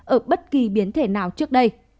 ở bất kỳ biến thể nào trước đây